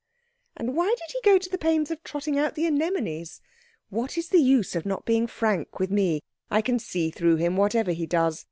And why did he go to the pains of trotting out the anemones? What is the use of not being frank with me? I can see through him, whatever he does.